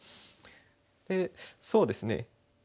でそうですね。